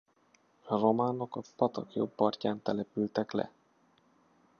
A románok a patak jobb partján települtek le.